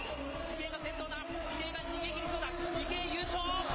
池江、優勝！